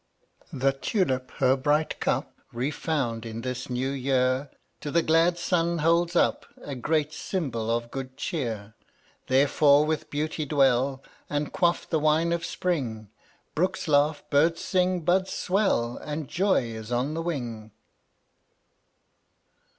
1 02 The tulip her bright cup — Refound in this new year — To the glad sun holds up A great symbol of good cheer. Therefore with Beauty dwell And quaff the wine of spring, Brooks laugh, birds sing, buds swell And Joy is on the wing.